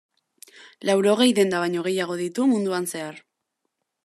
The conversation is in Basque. Laurogei denda baino gehiago ditu munduan zehar.